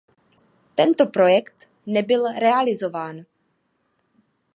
Tento projekt nebyl realizován.